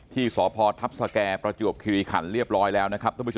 ที่สภทัพสกย์ประจวบคิริขันต์เรียบร้อยแล้ว